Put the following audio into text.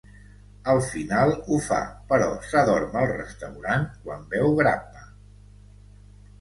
Al final ho fa, però s'adorm al restaurant quan beu grappa.